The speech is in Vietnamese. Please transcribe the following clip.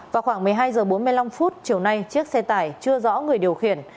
vào khoảng một mươi hai h bốn mươi năm chiều nay chiếc xe tải chưa rõ người điều khiển